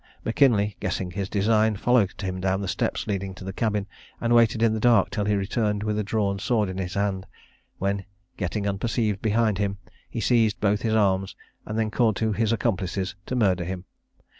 M'Kinlie, guessing his design, followed him down the steps leading to the cabin, and waited in the dark till he returned with a drawn sword in his hand, when getting unperceived behind him, he seized both his arms, and then called to his accomplices to murder him.